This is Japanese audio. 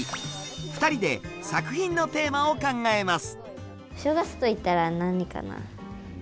２人で作品のテーマを考えます。